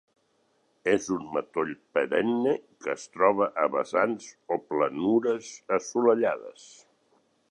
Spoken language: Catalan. És un matoll perenne que es troba a vessants o planures assolellades.